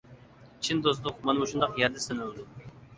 چىن دوستلۇق مانا مۇشۇنداق يەردە سىنىلىدۇ.